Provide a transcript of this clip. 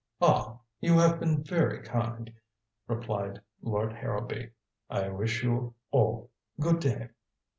"Ah you have been very kind," replied Lord Harrowby. "I wish you all good day."